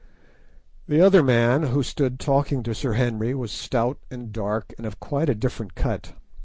The other man, who stood talking to Sir Henry, was stout and dark, and of quite a different cut.